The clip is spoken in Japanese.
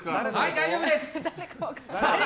大丈夫です。